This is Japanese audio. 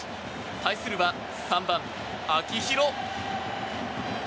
対するは３番、秋広。